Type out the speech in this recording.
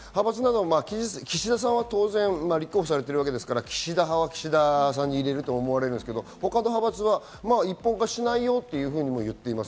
岸田さんは当然立候補されているわけですから、岸田派は岸田さんに入れると思われるんですけど、他の派閥は一本化しないよと言っています。